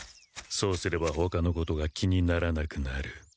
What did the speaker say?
そうすればほかのことが気にならなくなる。